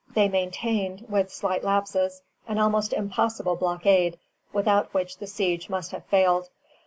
They maintained, with slight lapses, an almost impossible blockade, without which the siege must have failed.